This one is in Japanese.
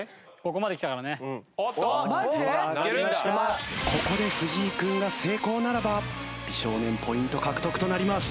ここで藤井君が成功ならば美少年ポイント獲得となります。